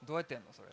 それ。